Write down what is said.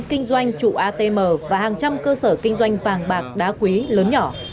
kinh doanh trụ atm và hàng trăm cơ sở kinh doanh vàng bạc đá quý lớn nhỏ